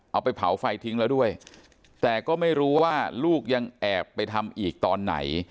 เอาไปเผาไฟทิ้งแล้วด้วยแต่ก็ไม่รู้ว่าลูกยังแอบไปทำอีกตอนไหน